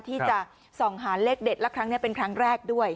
ที่จะส่องหาเลขเด็ดและครั้งนี้เป็นครั้งแรกด้วย